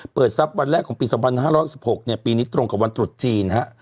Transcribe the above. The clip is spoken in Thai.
ทรัพย์วันแรกของปี๒๕๖๖ปีนี้ตรงกับวันตรุษจีนฮะ